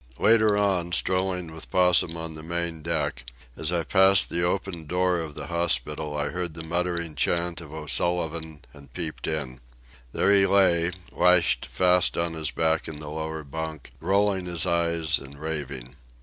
Later on, strolling with Possum on the main deck, as I passed the open door of the hospital I heard the muttering chant of O'Sullivan, and peeped in. There he lay, lashed fast on his back in the lower bunk, rolling his eyes and raving.